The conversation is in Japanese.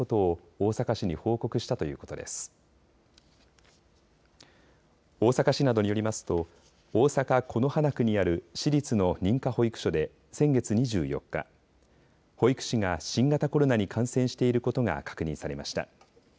大阪市などによりますと大阪此花区にある私立の認可保育所で先月２４日、保育士が新型コロナに感染していることが確認されました。